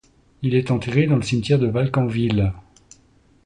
Il est enterré dans le cimetière de Valcanville.